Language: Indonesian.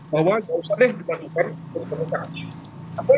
jangan usah deh kita lakukan persyaratan